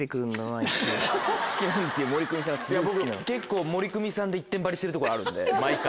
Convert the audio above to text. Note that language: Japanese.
僕結構モリクミさんで一点張りしてるところあるんで毎回。